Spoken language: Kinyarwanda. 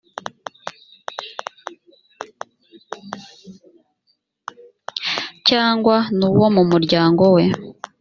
cyangwa n uwo mu muryango we